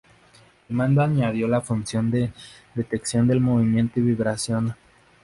El mando añadió la función de detección del movimiento y vibración.